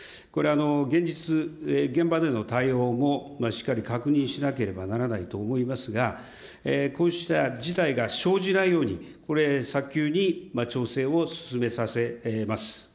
現実、現場での対応もしっかり確認しなければならないと思いますがこうした事態が生じないように、早急に調整を進めさせます。